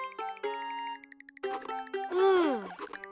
うん。